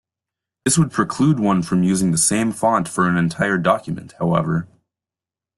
This would preclude one from using the same font for an entire document, however.